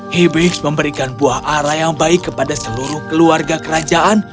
hibis memberikan buah arah yang baik kepada seluruh keluarga kerajaan